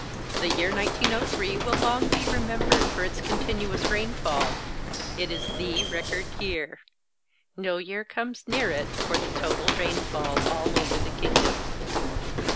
The year 1903 will long be remembered for its continuous rainfall; it is the record year; no year comes near it for the total rainfall all over the kingdom.